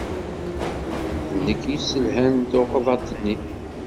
D nekk yesselḥan tuɣḍaṭ-nni.